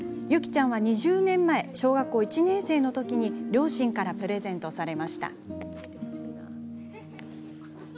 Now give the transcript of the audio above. ユキちゃんは２０年前小学校１年生のときに両親からプレゼントされました。